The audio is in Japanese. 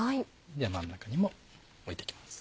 真ん中にも置いて行きます。